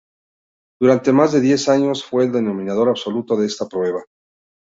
Durante más de diez años fue el dominador absoluto de esta prueba.